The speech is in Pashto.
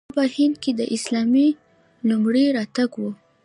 دا په هند کې د اسلام لومړی راتګ و.